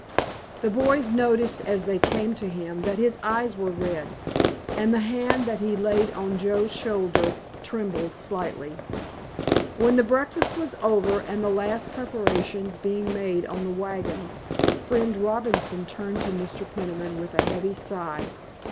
The boys noticed as they came to him that his eyes were red, and the hand that he laid on Joe's shoulder trembled slightly. When the breakfast was over and the last preparations being made on the wagons Friend Robinson turned to Mr. Peniman with a heavy sigh.